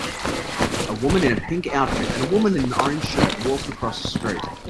A woman in a pink outfit and a woman in an orange shirt walk across a street.